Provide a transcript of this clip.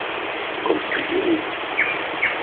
Du kommst wie gerufen.